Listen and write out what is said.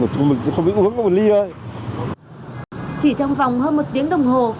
chỉ trong vòng hơn một tiếng đồng hồ